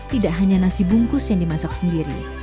tidak hanya nasi bungkus yang dimasak sendiri